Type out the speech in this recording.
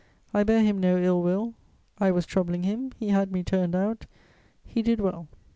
I bear him no ill will: I was troubling him, he had me turned out; he did well.